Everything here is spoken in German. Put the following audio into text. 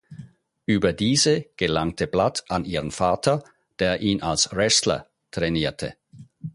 Über diese gelangte Blood an ihren Vater, der ihn als Wrestler trainierte.